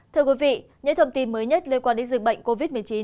thưa quý vị những thông tin mới nhất liên quan đến dịch bệnh covid một mươi chín